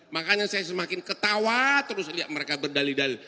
makanya saya semakin ketawa terus lihat mereka berdali dalil